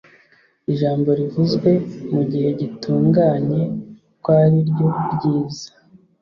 ijambo rivuzwe mu gihe gitunganye ko ari ryo ryiza!